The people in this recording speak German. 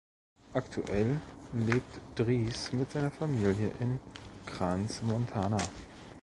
Aktuell lebt Dries mit seiner Familie in Crans-Montana.